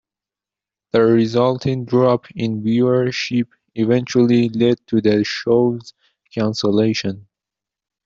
The resulting drop in viewership eventually led to the show's cancellation.